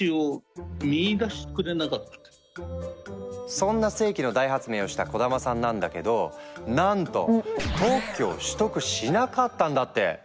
そんな世紀の大発明をした小玉さんなんだけどなんと特許を取得しなかったんだって！